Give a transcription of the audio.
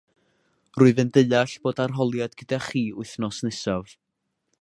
Rwyf yn deall bod arholiad gyda chi wythnos nesaf